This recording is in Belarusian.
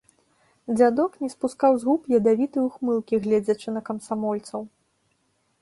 Дзядок не спускаў з губ ядавітай ухмылкі, гледзячы на камсамольцаў.